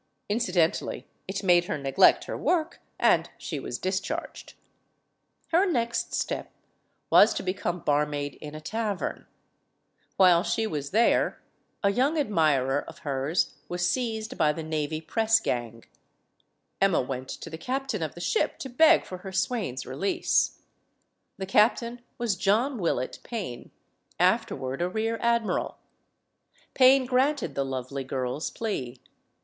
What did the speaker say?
Incidentally, it made her neglect her work, and she was discharged. Her next step was to become bar maid in a tavern. While she was there, a young ad mirer of hers was seized by the navy press gang. Emma went to the captain of the ship to beg for her swain's 254 STORIES OF THE SUPER WOMEN release. The captain was John Willett Payn, aferward a rear admiral. Payne granted the lovely girl's plea.